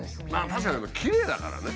確かにきれいだからね。